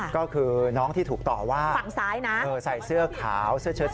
ก็คือน้องที่ถูกต่อว่า